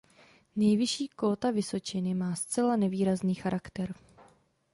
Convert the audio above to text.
Nejvyšší kóta vysočiny má zcela nevýrazný charakter.